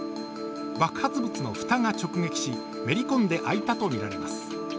爆発物の蓋が直撃しめり込んであいたと見られます。